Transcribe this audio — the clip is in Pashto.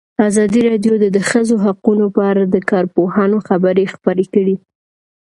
ازادي راډیو د د ښځو حقونه په اړه د کارپوهانو خبرې خپرې کړي.